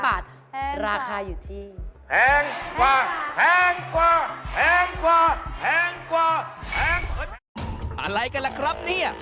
อะไรกันล่ะครับเนี่ย